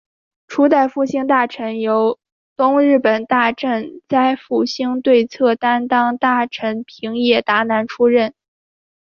初代复兴大臣由东日本大震灾复兴对策担当大臣平野达男出任。